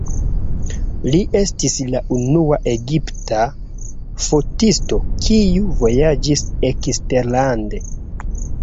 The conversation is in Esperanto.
Li estis la unua egipta fotisto, kiu vojaĝis eksterlande.